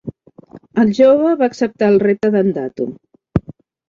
El jove va acceptar el repte d'en Datu.